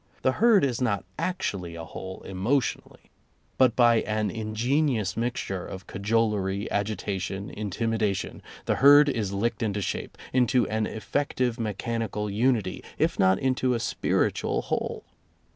The herd is not actually a whole, emotionally. But by an ingenious mixture of cajolery, agitation, in timidation, the herd is licked into shape, into an effective mechanical unity, if not into a spiritual [ 170] whole.